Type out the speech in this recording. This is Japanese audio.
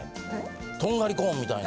とんがりコーンみたいな。